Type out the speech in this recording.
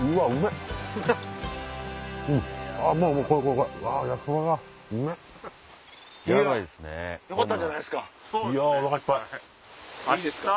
いやよかったんじゃないですか。